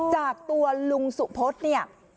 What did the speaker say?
โอ้จากตัวลุงสุพฤษเนี่ย